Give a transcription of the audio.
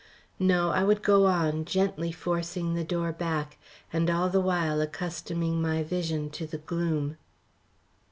No, I would go on, gently forcing the door back, and all the while accustoming my vision to the gloom.